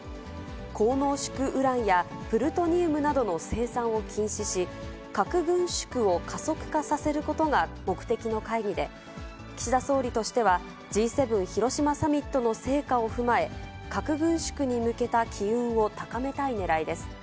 高濃縮ウランやプルトニウムなどの生産を禁止し、核軍縮を加速化させることが目的の会議で、岸田総理としては、Ｇ７広島サミットの成果を踏まえ、核軍縮に向けた機運を高めたいねらいです。